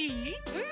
うん？